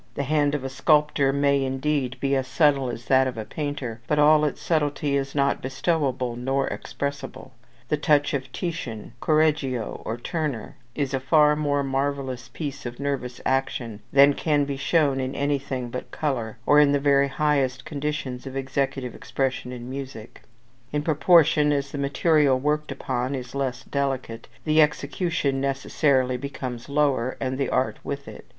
The hand of a sculptor may, indeed, be as subtle as that of a painter, but all its subtlety is not bestowable nor expressible: the touch of Titian, Correggio, or Turner, [Footnote: See Appendix IV., "Subtlety of Hand."] is a far more marvellous piece of nervous action than can be shown in anything but colour, or in the very highest conditions of executive expression in music. In proportion as the material worked upon is less delicate, the execution necessarily becomes lower, and the art with it.